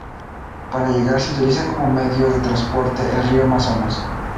Para llegar se utiliza como medio de transporte el rio Amazonas.